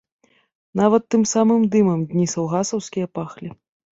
Нават тым самым дымам дні саўгасаўскія пахлі.